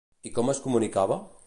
I com es comunicava?